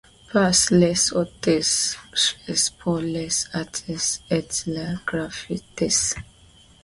Pas les outils créés pour les artistes et les graphistes.